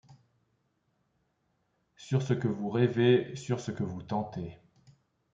Sur ce que vous rêvez, sur ce que vous tentez